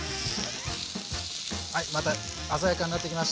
はいまた鮮やかになってきました。